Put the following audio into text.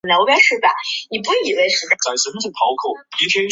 阿特金斯是前保守党政府国家遗产部和欧洲议会议员的女儿。